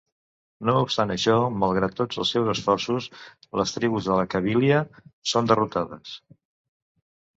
No obstant això, malgrat tots els seus esforços, les tribus de la Cabília són derrotades.